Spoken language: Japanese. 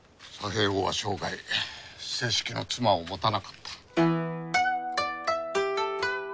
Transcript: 佐兵衛翁は生涯正式の妻を持たなかった。